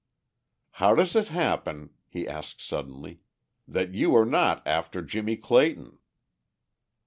"How does it happen," he asked suddenly, "that you are not after Jimmie Clayton?"